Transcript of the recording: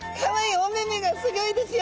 お目目がすギョいですよ！